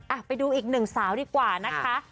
ไปดูอีกหนึ่งสาวดีกว่านะคะ